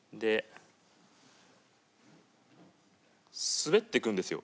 滑っていくんですよ。